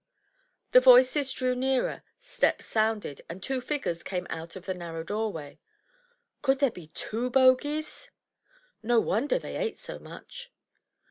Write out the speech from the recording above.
The voices drew nearer, steps sounded, and two figures came out of the narrow doorway. Could there be two Bogies? No wonder they ate so much.